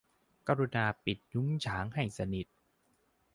กรุณาปิดประตูยุ้งฉางให้สนิท